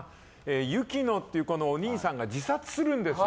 ユキノっていう子のお兄さんが自殺するんですよ。